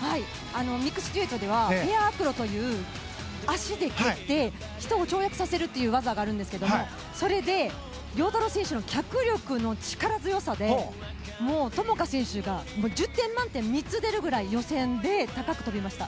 ミックスデュエットではペアアクロという足で蹴って人を跳躍させるという技があるんですが陽太郎選手の脚力の力強さでもう友花選手が１０点満点３つ出るぐらい予選で高く飛びました。